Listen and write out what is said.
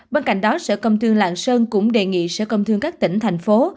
bên cạnh đó sở công thương lạng sơn cũng đề nghị sở công thương các tỉnh thành phố